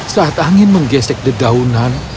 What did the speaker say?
saat angin menggesek dedaunan